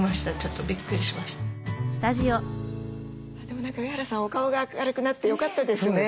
でも何か上原さんお顔が明るくなって良かったですね。